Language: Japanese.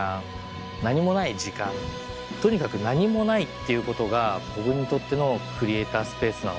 とにかく何もないっていうことが僕にとってのクリエイタースペースなのかな。